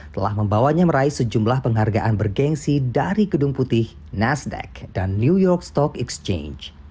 telah membawanya meraih sejumlah penghargaan bergensi dari gedung putih nasdaq dan new york stock exchange